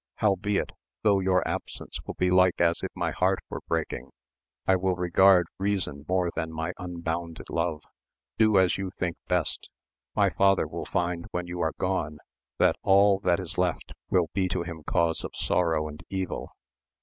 Howbeit, though your absence will be like as if my heart were breaking, I will regard reason more than my unbounded love. Do as you think best ! my father will find when you are gone that all that is left will be to him cause of sor row and evil